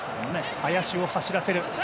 林を走らせる。